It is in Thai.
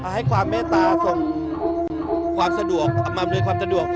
ให้ความเมตตาส่งความสะดวก